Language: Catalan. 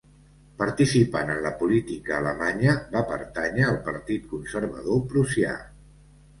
Participant en la política alemanya, va pertànyer al partit conservador prussià.